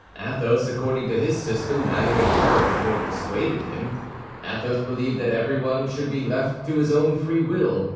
Athos, according to his system, neither encouraged nor dissuaded him. Athos believed that everyone should be left to his own free will.